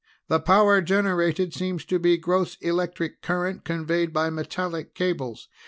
"The power transmitted seems to be gross electric current conveyed by metallic cables.